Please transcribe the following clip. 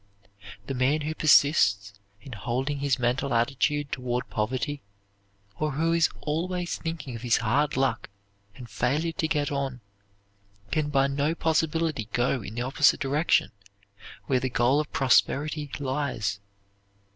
The man who persists in holding his mental attitude toward poverty, or who is always thinking of his hard luck and failure to get on, can by no possibility go in the opposite direction, where the goal of prosperity lies.